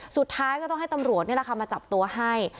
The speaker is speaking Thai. สุดท้ายก็ต้องให้ตำรวจนี่แหละค่ะมาจับตัวให้